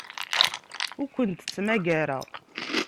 Ur kent-ttmagareɣ.